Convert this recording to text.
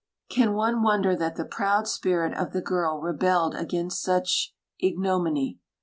Can one wonder that the proud spirit of the girl rebelled against such ignominy?